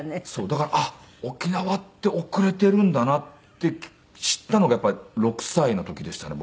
だからあっ沖縄って遅れてるんだなって知ったのがやっぱり６歳の時でしたね